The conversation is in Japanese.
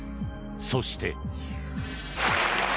そして。